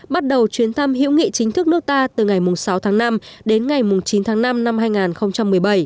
bắt đầu chuyến thăm hữu nghị chính thức nước ta từ ngày sáu tháng năm đến ngày chín tháng năm năm hai nghìn một mươi bảy